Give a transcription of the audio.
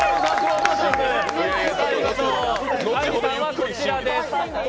あんりさんはこちらです。